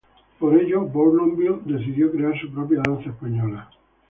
Por ello, Bournonville decidió crear su propia danza española.